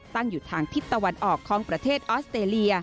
ตั้งอยู่ทางทิศตะวันออกของประเทศออสเตรเลีย